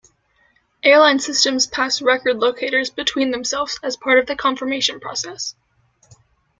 Airline systems pass record locators between themselves as part of the confirmation process.